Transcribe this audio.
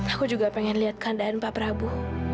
aku juga pengen lihat keadaan pak prabu